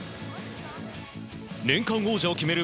年間王者を決める